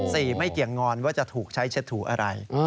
ไม่เกี่ยงงอนว่าจะถูกใช้เช็ดถูอะไร